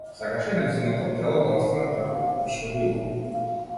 Сакаше нејзиното тело да остане такво какво што било.